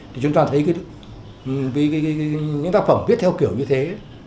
thì chúng ta thấy những tác phẩm viết theo kiểu như thế